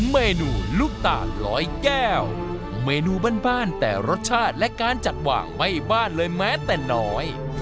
เมนูลูกตาลร้อยแก้วเมนูบ้านแต่รสชาติและการจัดวางไม่บ้านเลยแม้แต่น้อย